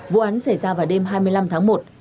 vụ án xảy ra vào đêm hai mươi năm tháng một